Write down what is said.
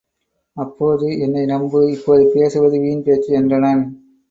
அப்போது என்னை நம்பு, இப்போது பேசுவது வீண் பேச்சு என்றனன்.